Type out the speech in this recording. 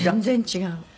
全然違う。